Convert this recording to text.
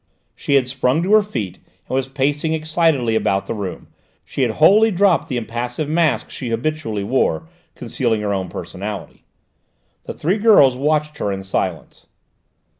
She had sprung to her feet and was pacing excitedly about the room; she had wholly dropped the impassive mask she habitually wore, concealing her real personality. The three girls watched her in silence.